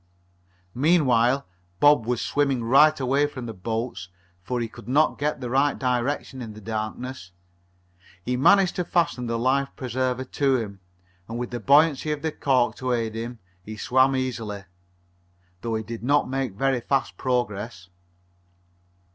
Meanwhile Bob was swimming right away from the boats, for he could not get the right direction in the darkness. He managed to fasten the life preserver to him, and with the buoyancy of the cork to aid him he swam easily, though he did not make very fast progress.